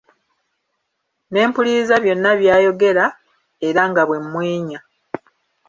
Ne mpuliriza byonna by'ayogera era nga bwe mmwenya.